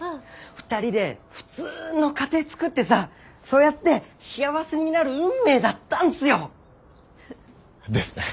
２人で普通の家庭つくってさそうやって幸せになる運命だったんっすよ。ですね。